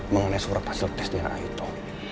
mengenai surat hasil tes darah itu